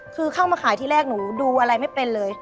คือเข้ามาขายที่แรกหนูดูอะไรไม่เป็นเลย